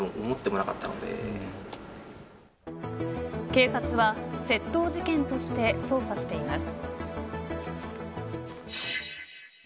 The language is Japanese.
警察は窃盗事件として捜査しています。